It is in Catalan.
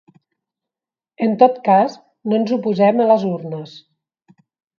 En toc cas no ens oposem a les urnes.